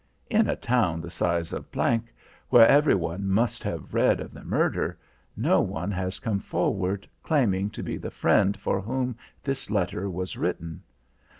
In a town the size of G , where every one must have read of the murder, no one has come forward claiming to be the friend for whom this letter was written.